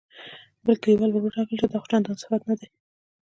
بل کليوال ور ودانګل چې دا خو چندان صفت نه دی.